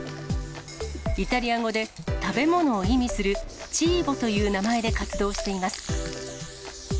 イタリア語で食べ物を意味する、チーボという名前で活動しています。